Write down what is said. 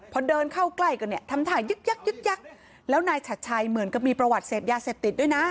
พอเดินเข้าใกล้ก็ทำถ่ายยึกแล้วนายชัดชายเหมือนก็มีประวัติเสพยาเสพติดด้วยนะ